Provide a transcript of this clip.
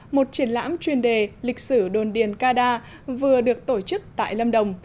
một triển lãm chuyên đề lịch sử đồn điền ca đa vừa được tổ chức tại lâm đồng